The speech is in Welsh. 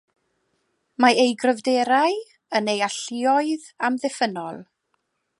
Mae ei gryfderau yn ei alluoedd amddiffynnol.